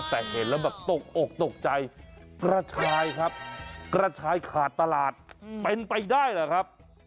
แต่เห็นแล้วแบบตกอกตกใจกระชายครับกระชายขาดตลาดเป็นไปได้เหรอครับ